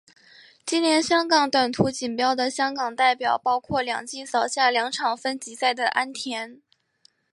今年香港短途锦标的香港代表包括今季扫下两场分级赛的安畋。